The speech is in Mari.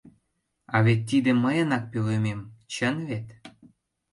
А вет тиде мыйынак пӧлемем, чын вет?